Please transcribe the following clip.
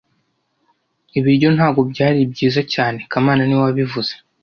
Ibiryo ntabwo byari byiza cyane kamana niwe wabivuze